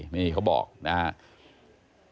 นี่เขาบอกนะครับ